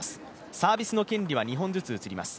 サービスの権利は２本ずつ移ります